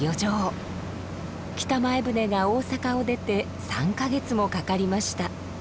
北前船が大阪を出て３か月もかかりました。